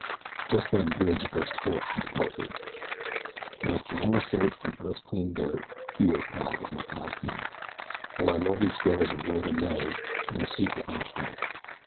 Just then Bridge burst forth into poetry: In a flannel shirt from earth's clean dirt, Here, pal, is my calloused hand! Oh, I love each day as a rover may, Nor seek to understand.